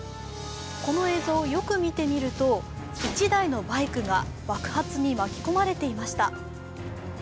この映像、よく見てみると１台のバイクが爆発に巻き込まれていました。